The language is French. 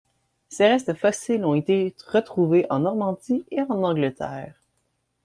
Ses restes fossiles ont été retrouvés en Normandie et en Angleterre.